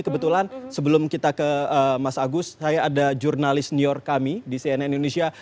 kebetulan sebelum kita ke mas agus saya ada jurnalis senior kami di cnn indonesia